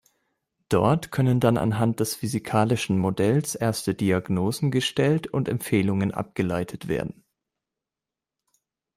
Dort können dann anhand des physikalischen Modells erste Diagnosen gestellt und Empfehlungen abgeleitet werden.